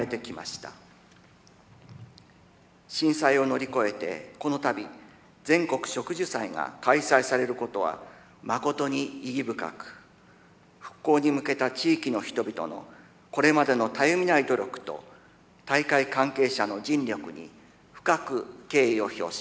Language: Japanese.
震災を乗り越えてこの度全国植樹祭が開催されることはまことに意義深く復興に向けた地域の人々のこれまでのたゆみない努力と大会関係者の尽力に深く敬意を表します。